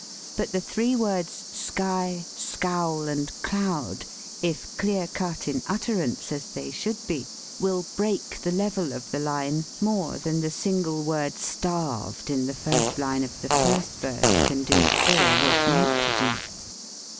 But the three words, "sky," "scowl," and "cloud," if clear cut in utterance, as they should be, will break the level of the line more than the single word "starved" in 79 THE SPEAKING VOICE the first line of the first verse can do, or was meant to do.